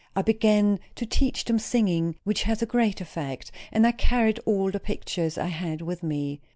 I began to teach them singing, which has a great effect; and I carried all the pictures I had with me.